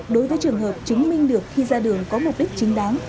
đối với trường hợp chứng minh được khi ra đường có mục đích chính đáng